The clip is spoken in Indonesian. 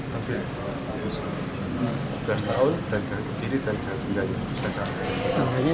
tapi dua belas tahun dan denda kebiri dan denda nya sudah sampai